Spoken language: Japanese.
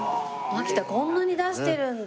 マキタこんなに出してるんだ。